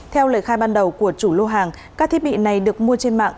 theo lời khai ban đầu của chủ lô hàng các thiết bị này được mua trên mạng